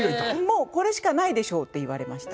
「もうこれしかないでしょう」って言われました。